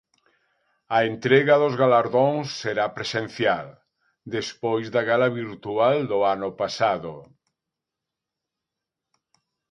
A entrega dos galardóns será presencial, despois da gala virtual do ano pasado.